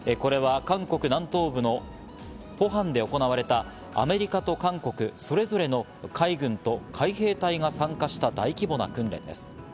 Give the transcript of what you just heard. これは韓国南東部のポハンで行われたアメリカと韓国、それぞれの海軍と海兵隊が参加した、大規模な訓練です。